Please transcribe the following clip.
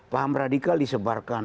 paham radikal disebarkan